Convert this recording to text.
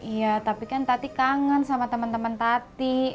iya tapi kan tati kangen sama temen temen tati